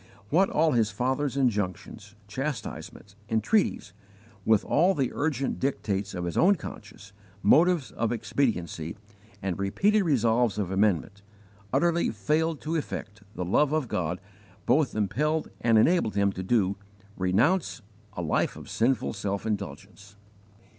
What all his father's injunctions, chastisements, entreaties, with all the urgent dictates of his own conscience, motives of expediency, and repeated resolves of amendment, utterly failed to effect, the love of God both impelled and enabled him to do renounce a life of sinful self indulgence.